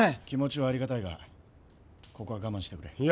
気持ちはありがたいがここは我慢してくれ。